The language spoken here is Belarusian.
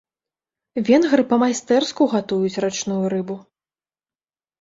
Венгры па-майстэрску гатуюць рачную рыбу.